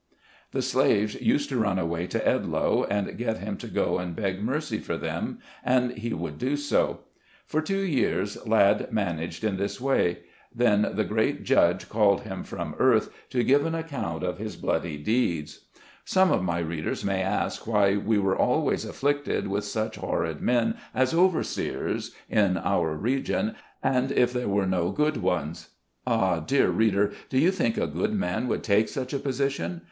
The slaves used to run away to Edloe, and get him to go and beg mercy for them, and he would do so. For two years, Ladd managed in this way ; FARMS ADJOINING EDLOE'S. 169 then the great Judge called him from earth, to give an account of his bloody deeds. Some of my readers may ask why we were always afflicted with such horrid men, as overseers, in our region, and if there were no good ones. Ah, dear reader, do you think a good man would take such a position